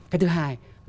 cái thứ hai là